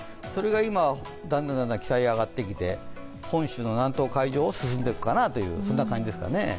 それが今、だんだん北へ上がってきて、本州の南東海上を進んでいくという感じですかね。